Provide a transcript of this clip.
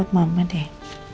hatimu buat mama deh